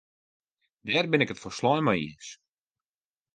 Dêr bin ik it folslein mei iens.